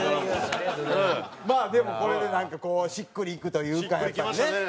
まあでもこれでなんかしっくりいくというかやっぱりね。